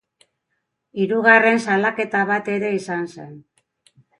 Hirugarren salaketa bat ere izan zen.